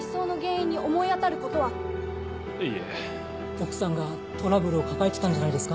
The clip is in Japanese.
奥さんがトラブルを抱えてたんじゃないですか？